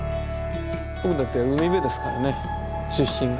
僕だって海辺ですからね出身が。